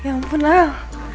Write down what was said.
ya ampun al